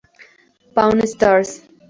Pawn Stars